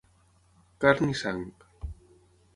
Carn i sang.